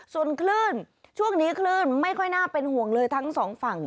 ส่วนคลื่นช่วงนี้คลื่นไม่ค่อยน่าเป็นห่วงเลยทั้งสองฝั่ง